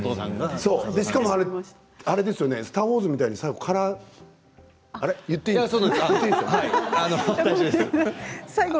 しかも「スター・ウォーズ」みたいにカラーの言っていいの？